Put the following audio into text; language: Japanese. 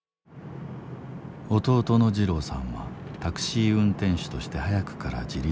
弟の二郎さんはタクシー運転手として早くから自立してきた。